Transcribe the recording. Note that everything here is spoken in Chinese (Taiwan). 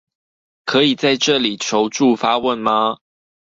可以在這裡求助發問嗎